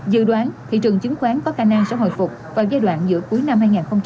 dự đoán thị trường chứng khoán có khả năng sẽ hồi phục vào giai đoạn giữa cuối năm hai nghìn hai mươi